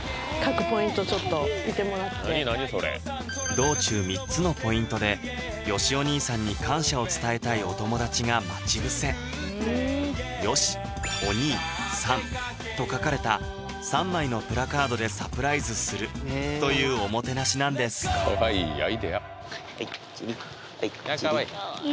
道中３つのポイントでよしお兄さんに感謝を伝えたいお友達が待ち伏せ「よし」「お兄」「さん」と書かれた３枚のプラカードでサプライズするというおもてなしなんですおいっちにおいっちに！